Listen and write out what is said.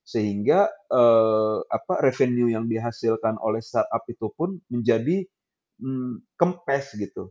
sehingga revenue yang dihasilkan oleh startup itu pun menjadi kempes gitu